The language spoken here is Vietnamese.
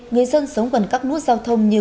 người dân sống gần các nút giao thông như